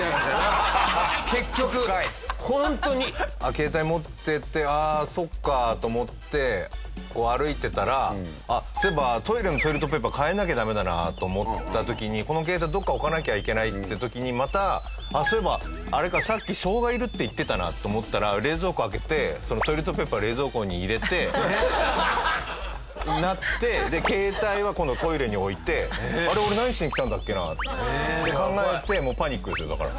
携帯持ってて「ああそっか」と思ってこう歩いてたら「そういえばトイレのトイレットペーパー替えなきゃダメだな」と思った時にこの携帯どこか置かなきゃいけないって時にまた「そういえばあれかさっきしょうがいるって言ってたな」と思ったら冷蔵庫開けて「あれ俺何しに来たんだっけな？」って考えてもうパニックですよだから。